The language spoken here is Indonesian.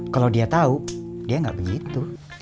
kalo dia tau dia nggak begitu